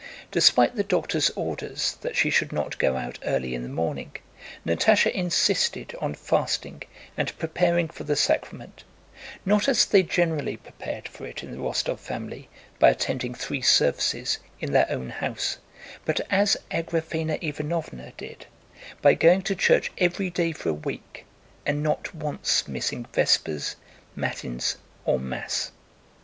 Despite the doctor's orders that she should not go out early in the morning, Natásha insisted on fasting and preparing for the sacrament, not as they generally prepared for it in the Rostóv family by attending three services in their own house, but as Agraféna Ivánovna did, by going to church every day for a week and not once missing Vespers, Matins, or Mass.